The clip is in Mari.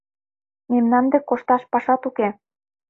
Мемнан дек кошташ пашат уке!..